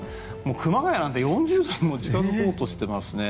熊谷なんて４０度に近づこうとしていますね。